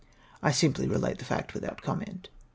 I simply relate the flict, without comment.